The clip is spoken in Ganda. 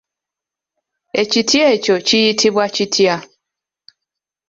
Ekiti ekyo kiyitibwa kitya?